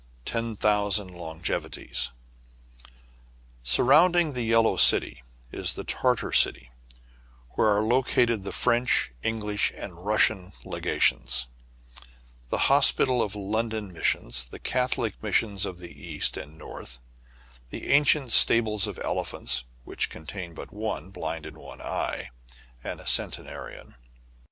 Ten Thousand Longevities. Surrounding the Yellow City is the Tartar city, where are located the French, English, and Russian legations ; the Hospital of London Mis sions ; the Catholic Missions of the East and North ; the ancient stables of elephants, which contain but one, blind in one eye, and a centena rian.